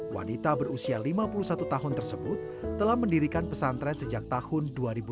wanita berusia lima puluh satu tahun tersebut telah mendirikan pesantren sejak tahun dua ribu